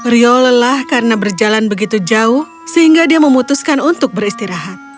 rio lelah karena berjalan begitu jauh sehingga dia memutuskan untuk beristirahat